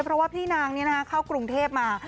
เพราะว่าพี่นางนี้เข้ากรุงเทพมา